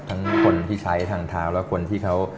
ทั้งคนที่ใช้ทางเท้าและคนที่เขา